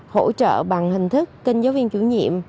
hỗ trợ bằng hình thức kênh giáo viên chủ nhiệm